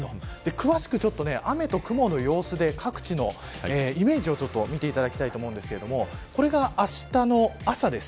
詳しく、雨と雲の様子で各地のイメージを見ていただきたいと思うんですけれどもこれが、あしたの朝です。